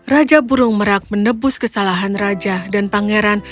raja burung merak menebus kesalahan raja dan pangeran